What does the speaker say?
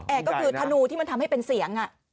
ก็คือธนูที่มันทำให้เป็นเสียง